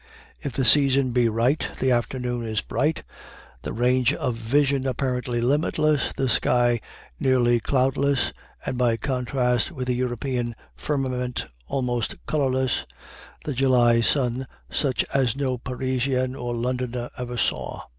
If the season be right the afternoon is bright, the range of vision apparently limitless, the sky nearly cloudless and, by contrast with the European firmament, almost colorless, the July sun such as no Parisian or Londoner ever saw.